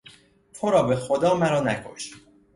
ترا به خدا مرا نکش!